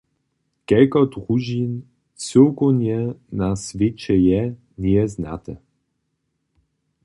Kelko družin cyłkownje na swěće je, njeje znate.